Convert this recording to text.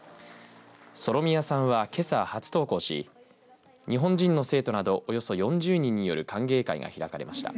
ソロミアさんは、けさ初登校し日本人の生徒などおよそ４０人による歓迎会が開かれました。